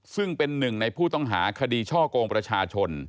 ซึ่งเป็นหนึ่งในผู้ต้องหาคดีช่อกงประชาชน